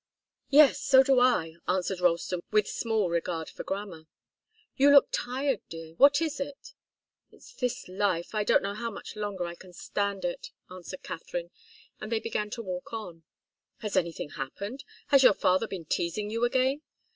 "Yes so do I," answered Ralston, with small regard for grammar. "You look tired, dear. What is it?" "It's this life I don't know how much longer I can stand it," answered Katharine, and they began to walk on. "Has anything happened? Has your father been teasing you again?"